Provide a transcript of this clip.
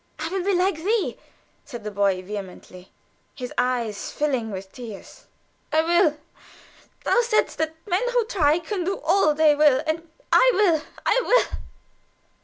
"I will be like thee," said the boy, vehemently, his eyes filling with tears. "I will. Thou saidst that men who try can do all they will and I will, I will."